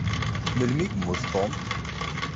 Melmi i yemmut Tom?